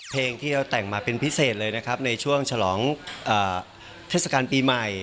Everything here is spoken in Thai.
เพลงที่เราแต่งมาเป็นพิเศษเลยนะครับในช่วงฉลองเทศกาลปีใหม่